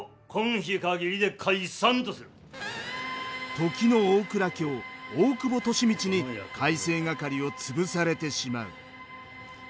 時の大蔵卿大久保利通に改正掛を潰されてしまう。